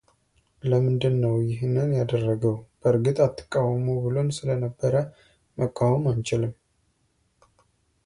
ለምንድነው ይህንን ያደረገው በርግጥ አትቃወሙ ብሎን ስለነበረ መቃወም አንችልም፡፡